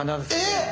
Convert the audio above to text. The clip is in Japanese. えっ！